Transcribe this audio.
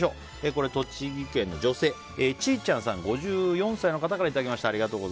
栃木県の女性、５４歳の方からいただきました。